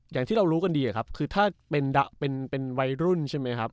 อย่างที่เรารู้กันดีครับคือถ้าเป็นวัยรุ่นใช่ไหมครับ